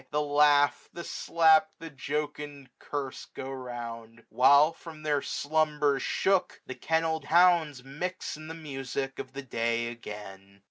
The laugh, the slap, the jocund curse go round ; While, from their slumbers shook, the kennel'd hounds Mix in the music of the day again.